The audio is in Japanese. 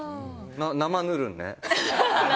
生ぬるんね。